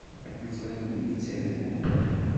Yuba d win yettargun.